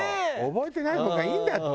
「覚えてない方がいいんだって」。